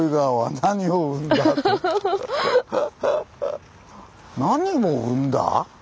何を生んだ？